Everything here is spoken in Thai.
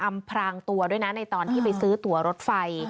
พรางตัวด้วยนะในตอนที่ไปซื้อตัวรถไฟ